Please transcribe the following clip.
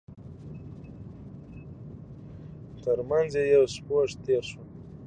تر مينځ يې يو سپور تېر شو.